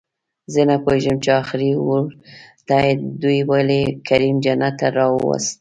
زه نپوهېږم چې اخري اوور ته دوئ ولې کریم جنت راووست